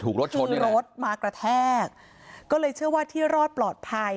ถูกรถชดนี่แหละคือรถมากระแทกก็เลยเชื่อว่าที่รอดปลอดภัย